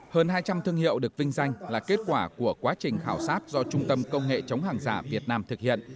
hơn hai trăm linh thương hiệu được vinh danh là kết quả của quá trình khảo sát do trung tâm công nghệ chống hàng giả việt nam thực hiện